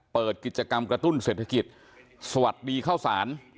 เปิดกิจกรรมกระตุ้นเศรษฐกิจสวัสดีเข้าสาร